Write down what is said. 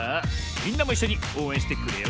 みんなもいっしょにおうえんしてくれよな。